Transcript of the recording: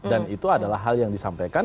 dan itu adalah hal yang disampaikan